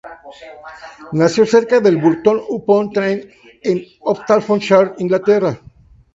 Nació cerca de Burton upon Trent en Staffordshire, Inglaterra.